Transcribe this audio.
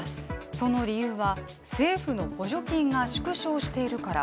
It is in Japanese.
その理由は政府の補助金が縮小しているから。